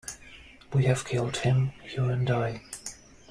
"We have killed him"-you and I.